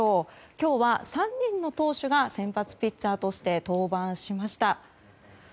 今日は３人の投手が先発ピッチャーとして登板しました。